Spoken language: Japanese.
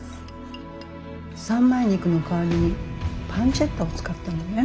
三枚肉の代わりにパンチェッタを使ったのね。